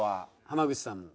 濱口さん。